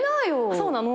そうなの？